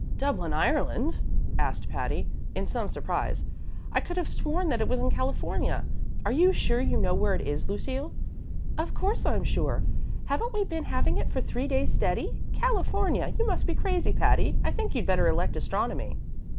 "Dublin, Ireland?" asked Patty, in some surprise. "I could have sworn that it was in California. Are you sure you know where it is, Lucille?" "Of course I'm sure. Haven't we been having it for three days steady? California! You must be crazy, Patty. I think you'd better elect astronomy."